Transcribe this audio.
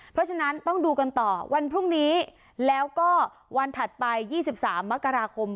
เพราะฉะนั้นต้องดูกันต่อวันพรุ่งนี้แล้วก็วันถัดไป๒๓มกราคม